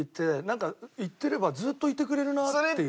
なんか言ってればずっといてくれるなって。